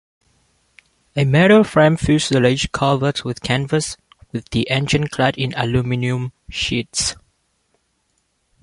A metal frame fuselage covered with canvas, with the engine clad in aluminium sheets.